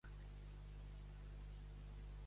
A poquet foc.